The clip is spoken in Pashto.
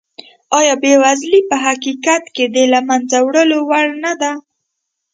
ایا بېوزلي په حقیقت کې د له منځه وړلو وړ نه ده؟